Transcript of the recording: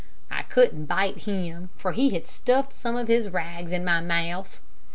I couldn't bite him, for he had stuffed some of his rags in my mouth.